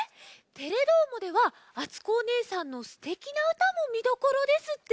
「テレどーも！」ではあつこおねえさんのすてきなうたもみどころですって？